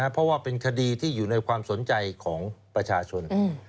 เพราะว่าเป็นคดีที่อยู่ในความสนใจของประชาชน